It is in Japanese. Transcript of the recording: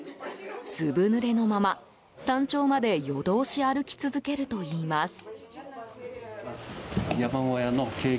ずぶぬれのまま、山頂まで夜通し歩き続けるといいます。